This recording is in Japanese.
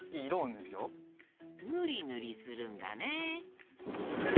ぬりぬりするんだね。